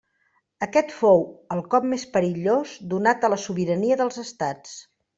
Aquest fou el cop més perillós donat a la sobirania dels estats.